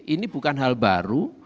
ini bukan hal baru